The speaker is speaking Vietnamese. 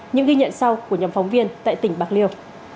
những ghi nhận sau của nhóm phóng viên tại tỉnh bạc liêu